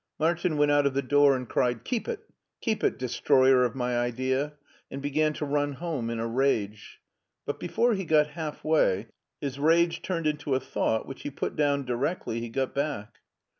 Martin went out of the door and cried, " Keep it ! keep it, destroyer of my idea! " and began to run home in a rage; but before he got half way his rage turned into a thought which he put down directly he got back.